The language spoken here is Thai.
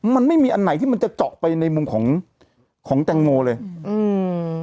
มันไม่มีอันไหนที่มันจะเจาะไปในมุมของของแตงโมเลยอืม